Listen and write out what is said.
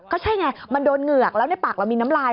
ก็ใช่ไงมันโดนเหงือกแล้วในปากเรามีน้ำลาย